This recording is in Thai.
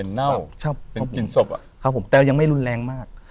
เหม็นเน่าเป็นกลิ่นสบอะครับผมแต่ยังไม่รุนแรงมาก